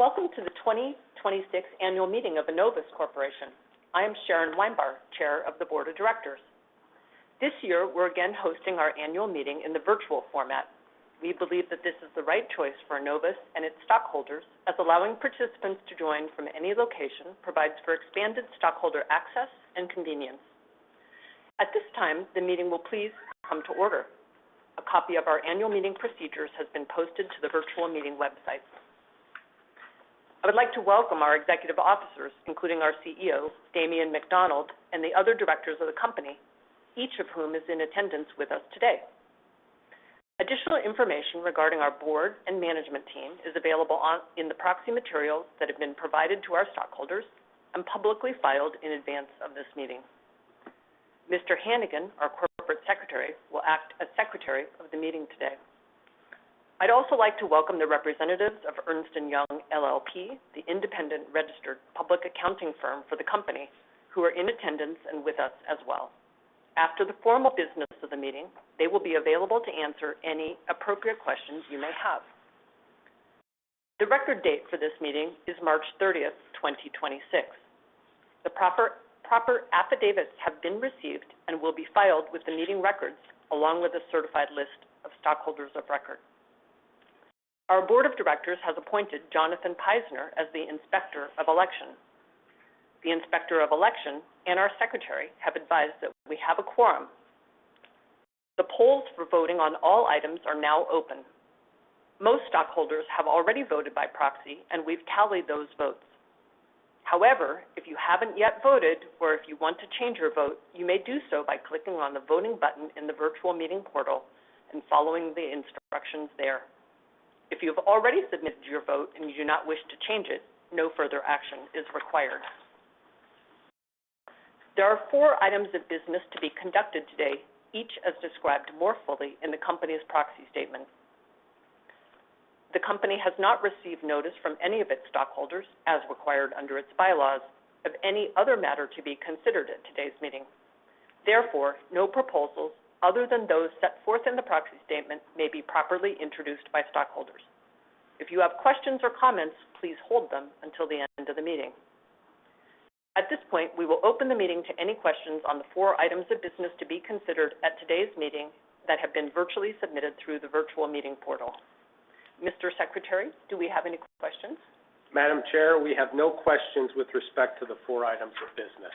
Welcome to the 2026 annual meeting of Enovis Corporation. I am Sharon Wienbar, chair of the board of directors. This year, we're again hosting our annual meeting in the virtual format. We believe that this is the right choice for Enovis and its stockholders, as allowing participants to join from any location provides for expanded stockholder access and convenience. At this time, the meeting will please come to order. A copy of our annual meeting procedures has been posted to the virtual meeting website. I would like to welcome our executive officers, including our CEO, Damien McDonald, and the other directors of the company, each of whom is in attendance with us today. Additional information regarding our board and management team is available in the proxy materials that have been provided to our stockholders and publicly filed in advance of this meeting. Mr. Hannigan, our corporate secretary, will act as secretary of the meeting today. I'd also like to welcome the representatives of Ernst & Young LLP, the independent registered public accounting firm for the company, who are in attendance and with us as well. After the formal business of the meeting, they will be available to answer any appropriate questions you may have. The record date for this meeting is March 30th, 2026. The proper affidavits have been received and will be filed with the meeting records, along with a certified list of stockholders of record. Our board of directors has appointed Jonathan Pisner as the Inspector of Election. The Inspector of Election and our secretary have advised that we have a quorum. The polls for voting on all items are now open. Most stockholders have already voted by proxy, and we've tallied those votes. If you haven't yet voted or if you want to change your vote, you may do so by clicking on the voting button in the virtual meeting portal and following the instructions there. If you have already submitted your vote and you do not wish to change it, no further action is required. There are four items of business to be conducted today, each as described more fully in the company's proxy statement. The company has not received notice from any of its stockholders, as required under its bylaws, of any other matter to be considered at today's meeting. No proposals other than those set forth in the proxy statement may be properly introduced by stockholders. If you have questions or comments, please hold them until the end of the meeting. At this point, we will open the meeting to any questions on the four items of business to be considered at today's meeting that have been virtually submitted through the virtual meeting portal. Mr. Secretary, do we have any questions? Madam Chair, we have no questions with respect to the four items of business.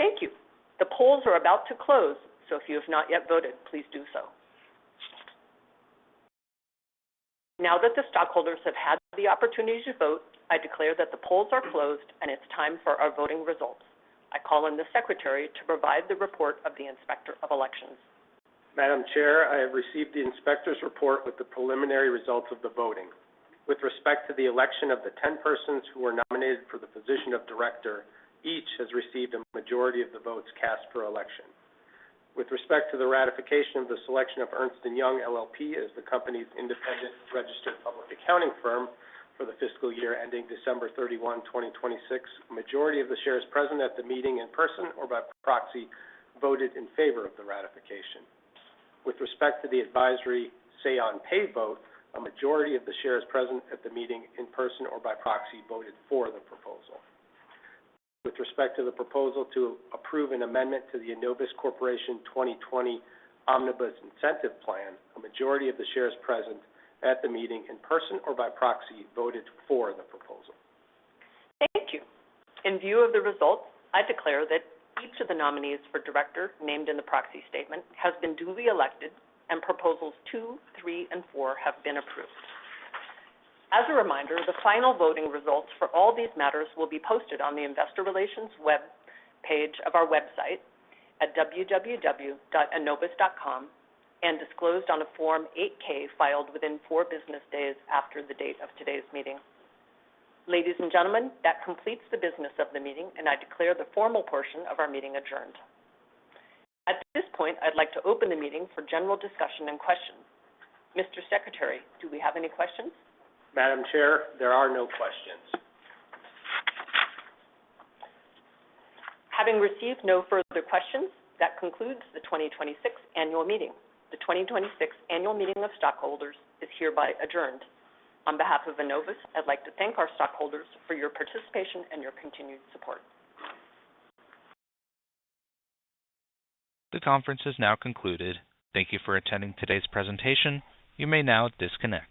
Thank you. The polls are about to close, so if you have not yet voted, please do so. Now that the stockholders have had the opportunity to vote, I declare that the polls are closed, and it's time for our voting results. I call on the secretary to provide the report of the Inspector of Election. Madam Chair, I have received the inspector's report with the preliminary results of the voting. With respect to the election of the 10 persons who were nominated for the position of director, each has received a majority of the votes cast per election. With respect to the ratification of the selection of Ernst & Young LLP as the company's independent registered public accounting firm for the fiscal year ending December 31, 2026, a majority of the shares present at the meeting in person or by proxy voted in favor of the ratification. With respect to the advisory say on pay vote, a majority of the shares present at the meeting in person or by proxy voted for the proposal. With respect to the proposal to approve an amendment to the Enovis Corporation 2020 Omnibus Incentive Plan, a majority of the shares present at the meeting in person or by proxy voted for the proposal. Thank you. In view of the results, I declare that each of the nominees for director named in the proxy statement has been duly elected and proposals two, three, and four have been approved. As a reminder, the final voting results for all these matters will be posted on the investor relations web page of our website at www.enovis.com and disclosed on a Form 8-K filed within four business days after the date of today's meeting. Ladies and gentlemen, that completes the business of the meeting, and I declare the formal portion of our meeting adjourned. At this point, I'd like to open the meeting for general discussion and questions. Mr. Secretary, do we have any questions? Madam Chair, there are no questions. Having received no further questions, that concludes the 2026 annual meeting. The 2026 Annual Meeting of Stockholders is hereby adjourned. On behalf of Enovis, I'd like to thank our stockholders for your participation and your continued suppport The conference has now concluded. Thank you for attending today's presentation. You may now disconnect.